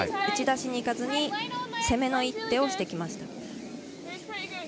打ち出しに行かず攻めの一手をしてきました。